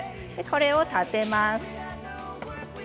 これを立てます。